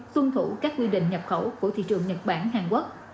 tuân thủ các quy định nhập khẩu của thị trường nhật bản hàn quốc